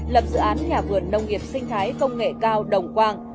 lập dự án nhà vườn nông nghiệp sinh thái công nghệ cao đồng quang